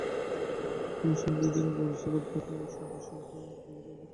শুধু সেনদিদির ব্যবস্থা করিতে হইলে শশীর হয়তো চারদিকে তাকানোর সময় পাইত।